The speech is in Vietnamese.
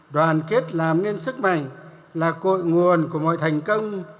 đoàn kết làm nên sức mạnh là cội nguồn của mọi thành công